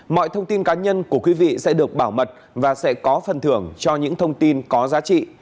mọi thông tin cá nhân của quý vị sẽ được bảo mật và sẽ có phần thưởng cho những thông tin có giá trị